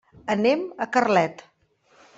Anem a Carlet.